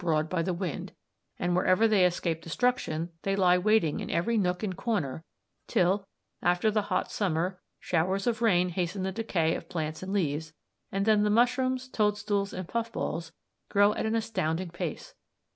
"As it is, they are spread abroad by the wind, and wherever they escape destruction they lie waiting in every nook and corner till, after the hot summer, showers of rain hasten the decay of plants and leaves, and then the mushrooms, toadstools, and puffballs, grow at an astounding pace.